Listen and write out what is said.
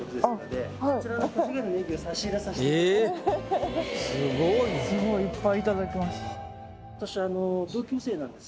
すごいな。